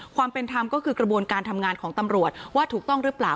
ความเป็นธรรมก็คือกระบวนการทำงานของตำรวจว่าถูกต้องหรือเปล่า